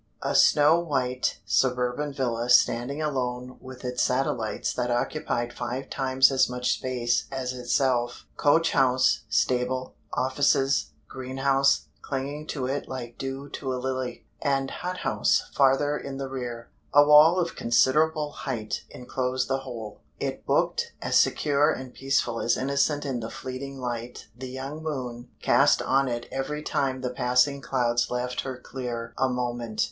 A SNOW WHITE suburban villa standing alone with its satellites that occupied five times as much space as itself; coach house, stable, offices, greenhouse clinging to it like dew to a lily, and hot house farther in the rear. A wall of considerable height inclosed the whole. It booked as secure and peaceful as innocent in the fleeting light the young moon cast on it every time the passing clouds left her clear a moment.